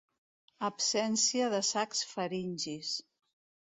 Absència de sacs faringis.